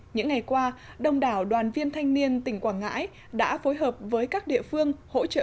những ngày qua đông đảo đoàn viên thanh niên tỉnh quảng ngãi đã phối hợp với các địa phương hỗ trợ